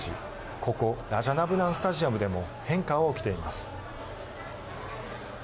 ここラジャダムナン・スタジアムでも変化は起きています。